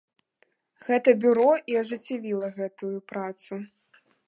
Гэта бюро і ажыццявіла гэтую працу.